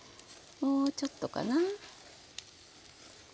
もうちょっとかな。